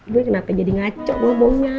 gue kenapa jadi ngaco ngomongnya